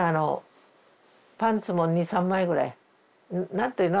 何ていうの？